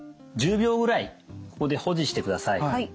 １０秒ぐらいここで保持してください。